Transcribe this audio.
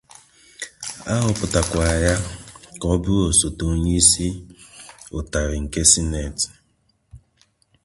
A họpụtakwara ya ka ọ bụrụ osote onye isi ụtarị nke Sineti.